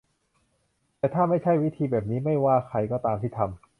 แต่ถ้าไม่ใช่ วิธีแบบนี้ ไม่ว่าใครก็ตามที่ทำ